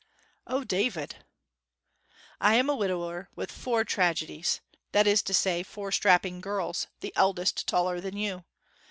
'O, David!' 'I am a widower with four tragedies that is to say, four strapping girls the eldest taller than you.